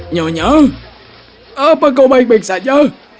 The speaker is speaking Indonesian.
nyonya apa kau baik baik saja